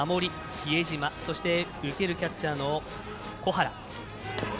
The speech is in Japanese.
比江島そして受けるキャッチャーの小原。